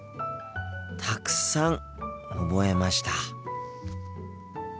たくさん覚えました。